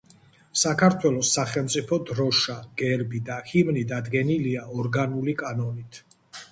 საქართველოს სახელმწიფო დროშა, გერბი და ჰიმნი დადგენილია ორგანული კანონით.